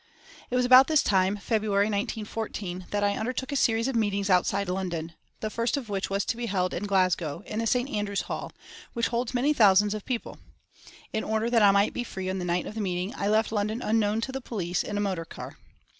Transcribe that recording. It was about this time, February, 1914, that I undertook a series of meetings outside London, the first of which was to be held in Glasgow, in the St. Andrews Hall, which holds many thousands of people. In order that I might be free on the night of the meeting, I left London unknown to the police, in a motor car.